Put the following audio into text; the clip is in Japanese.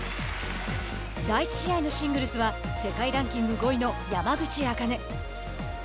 第１試合のシングルスは世界ランキング５位の山口茜。